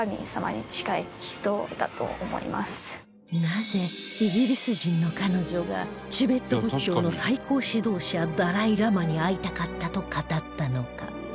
なぜイギリス人の彼女がチベット仏教の最高指導者ダライ・ラマに会いたかったと語ったのか？